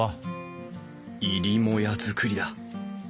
入母屋造りだ。